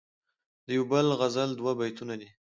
دیو بل غزل دوه بیتونه دي..